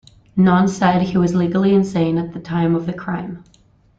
None said he was legally insane at the time of the crime.